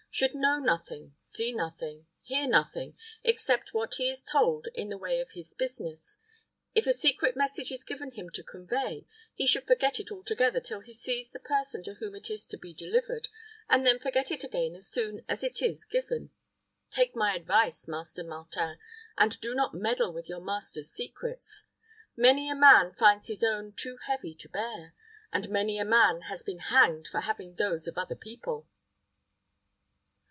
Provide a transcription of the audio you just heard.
Should know nothing, see nothing, hear nothing, except what he is told in the way of his business. If a secret message is given him to convey, he should forget it altogether till he sees the person to whom it is to be delivered, and then forget it again as soon as it is given. Take my advice, Master Martin, and do not meddle with your master's secrets. Many a man finds his own too heavy to bear, and many a man has been hanged for having those of other people."